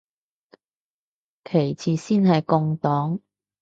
其次先係共黨